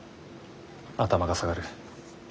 頭が下がる。